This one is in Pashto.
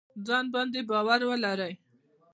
ځان باندې باور ولرئ